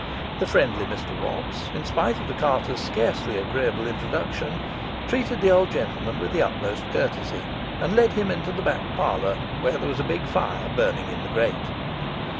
The friendly Mr Watts, in spite of the carter's scarcely agreeable introduction, treated the old gentleman with the utmost courtesy, and led him into the back parlour, where there was a big fire burning in the grate.